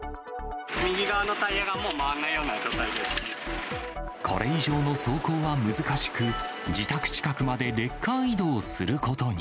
右側のタイヤがもう回らないこれ以上の走行は難しく、自宅近くまでレッカー移動することに。